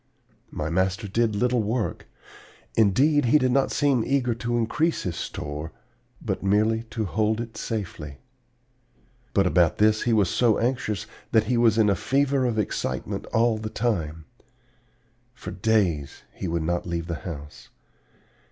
My master did little work; indeed, he did not seem eager to increase his store, but merely to hold it safely. But about this he was so anxious that he was in a fever of excitement all the time. For days he would not leave the house.